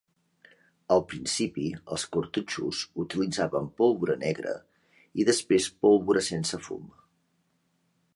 Al principi els cartutxos utilitzaven pólvora negra i després pólvora sense fum.